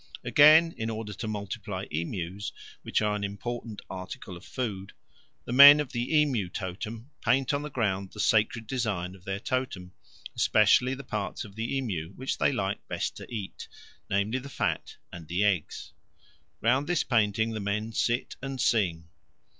Again, in order to multiply emus, which are an important article of food, the men of the emu totem paint on the ground the sacred design of their totem, especially the parts of the emu which they like best to eat, namely, the fat and the eggs. Round this painting the men sit and sing.